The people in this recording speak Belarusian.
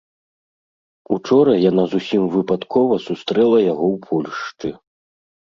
Учора яна зусім выпадкова сустрэла яго ў Польшчы.